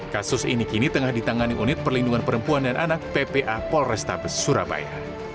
kasus ini kini tengah ditangani unit perlindungan perempuan dan anak ppa polrestabes surabaya